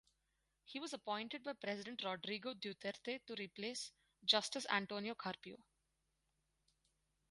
He was appointed by President Rodrigo Duterte to replace Justice Antonio Carpio.